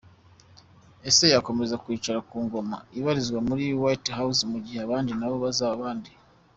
Ese yakomeza kwicara ku ngoma ibarizwa muri White House mugihe abandi nabo babaza indi.